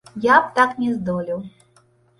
Я б так не здолеў.